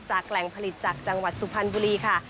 แหล่งผลิตจากจังหวัดสุพรรณบุรีค่ะ